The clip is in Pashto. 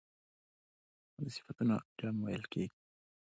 او د صفتونو علم ويل کېږي .